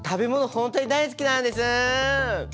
本当に大好きなんです。